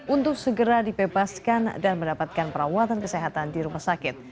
untuk segera dibebaskan dan mendapatkan perawatan kesehatan di rumah sakit